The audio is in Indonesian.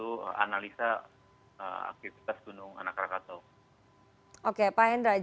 oke pak hendra jika melihat aktivitas gunung anak rakatau apakah anda akan mencari penyelidikan yang akan diperlukan